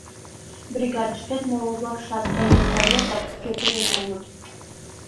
Бригадыштет моло-влакшат тыйын гаетак кӧтырем улыт.